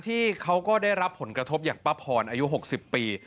ที่เขาก็ได้รับผลกระทบอย่างป้าพรอายุ๖๐ปี